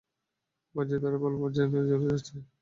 বাজি ধরে বলবো ও জেলে যাচ্ছে।